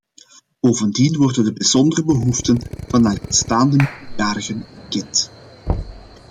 Bovendien worden de bijzondere behoeften van alleenstaande minderjarigen erkend.